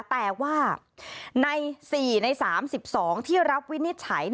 แต่ว่าใน๔ใน๓๒ที่รับวินิจฉัย